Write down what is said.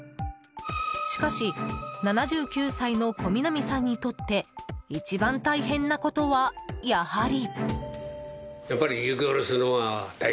しかし、７９歳の小南さんにとって一番大変なことは、やはり。